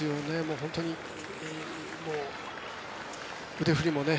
本当に腕振りも。